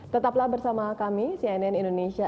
tetaplah bersama kami cnn indonesia